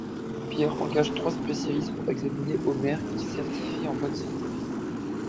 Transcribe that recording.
Pierre engage trois spécialistes pour examiner Homer, qu’ils certifient en bonne santé.